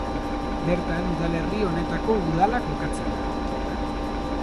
Bertan udalerri honetako Udala kokatzen da.